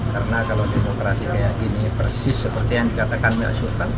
karena kalau demokrasi kayak gini persis seperti yang dikatakan mbak syurga